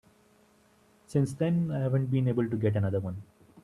Since then I haven't been able to get another one.